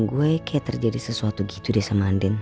untuk disampit ampe kok lagu updated jadi sesuatu gitu deh sama anden